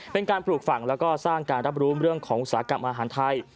เป็นการปลูกฝั่งแล้วก็สร้างการรับรู้เรื่องของอุตสาหกรรมอาหารไทย